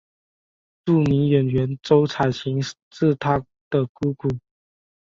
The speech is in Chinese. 著名演员周采芹是她的姑姑。